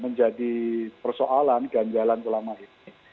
menjadi persoalan dan jalan selama ini